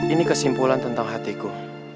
ini kesimpulan tentang hatiku